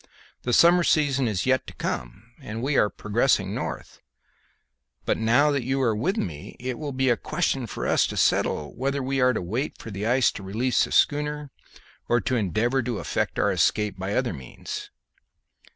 The summer season has yet to come, and we are progressing north; but now that you are with me it will be a question for us to settle, whether we are to wait for the ice to release the schooner or endeavour to effect our escape by other means."